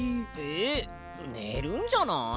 えねるんじゃない？